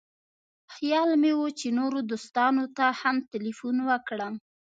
خیال مې و چې نورو دوستانو ته هم تیلفون وکړم.